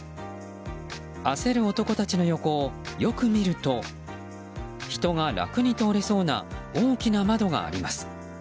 焦る男たちの横をよく見ると人が楽に通れそうな大きな窓があります。